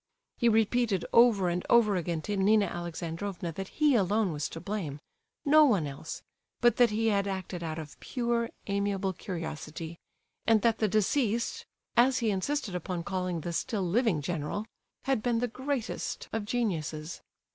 He repeated over and over again to Nina Alexandrovna that he alone was to blame—no one else—but that he had acted out of "pure amiable curiosity," and that "the deceased," as he insisted upon calling the still living general, had been the greatest of geniuses.